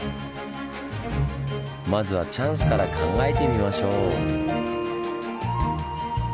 まずはチャンスから考えてみましょう！